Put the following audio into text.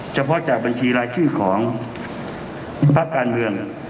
เฉพาะจากบัญชีรายชื่อของภาคการเมือง